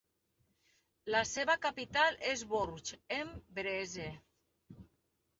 La seva capital és Bourg-en-Bresse.